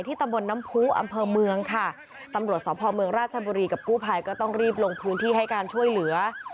ตำบลน้ำผู้อำเภอเมืองค่ะตำรวจสพเมืองราชบุรีกับกู้ภัยก็ต้องรีบลงพื้นที่ให้การช่วยเหลือ